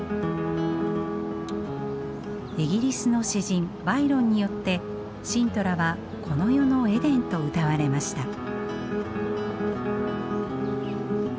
イギリスの詩人バイロンによってシントラはこの世のエデンとうたわれました。